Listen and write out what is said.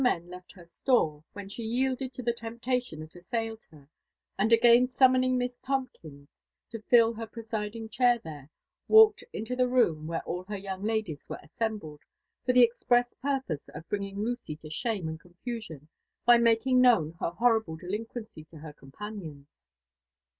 men left her Aore, than the yidded to the temptation that assailed her» and again stanmoning Miss Tomkins to ill her preying chair there, walked into the room where all faer ^* young ladiea" were assesnbled, for the expreni porpoae ef bcingiDg Lucy to shame and confusion hy making known her horiible delin quency to her companions.